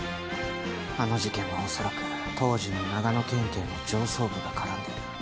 あの事件は、恐らく当時の長野県警の上層部が絡んでる。